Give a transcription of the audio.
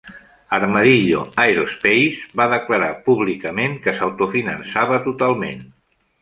Armadillo Aerospace va declarar públicament que s'autofinançava totalment.